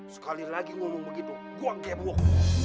sekali lagi ngomong begitu gua kebok